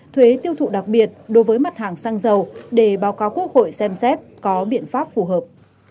thuế tiêu thụ đặc biệt đối với mặt hàng xăng dầu để báo cáo quốc hội xem xét có biện pháp phù hợp